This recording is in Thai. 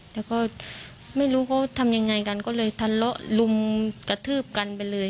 แล้วก็ไม่รู้เขาทำยังไงกันก็เลยทะเลาะลุมกระทืบกันไปเลย